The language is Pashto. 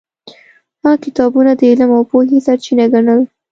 هغه کتابونه د علم او پوهې سرچینه ګڼل.